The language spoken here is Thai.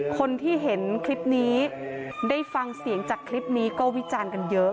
คนที่เห็นคลิปนี้ได้ฟังเสียงจากคลิปนี้ก็วิจารณ์กันเยอะ